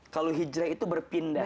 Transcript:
kalau hijrah itu berpindah